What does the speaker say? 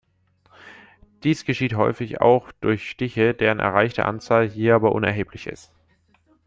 Dies geschieht häufig auch durch Stiche, deren erreichte Anzahl hier aber unerheblich ist.